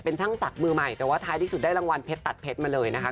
ช่างศักดิ์มือใหม่แต่ว่าท้ายที่สุดได้รางวัลเพชรตัดเพชรมาเลยนะคะ